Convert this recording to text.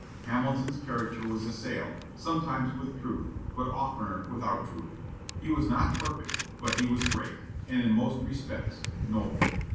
Hamilton's character was assailed, sometimes with truth, but oftener without truth. He was not perfect, but he was great, and in most respects noble.